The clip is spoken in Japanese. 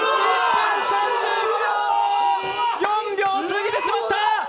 残念、４秒過ぎてしまった！